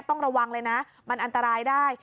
ต้องระวังเลยนะมันอันตรายได้